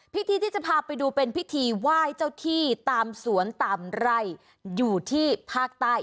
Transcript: พิธีที่จะพาไปดูเป็นพิธีไหว้เจ้าที่ตามสวนตามไร่อยู่ที่ภาคใต้